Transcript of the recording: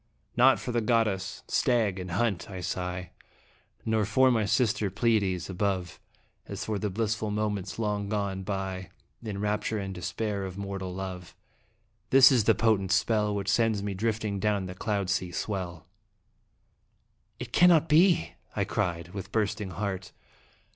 Not for the goddess, stag, and hunt, I sigh Nor for my sister Pleiades above, As for the blissful moments long gone by In rapture and despair of mortal love. This is the potent spell Which sends me drifting down the cloud sea swell ! "It cannot be!" I cried, with bursting heart.